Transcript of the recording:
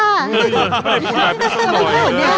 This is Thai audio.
ไม่เป็นแบบนี้เหรอ